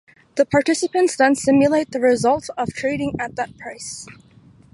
The participants then simulate the result of trading at that price.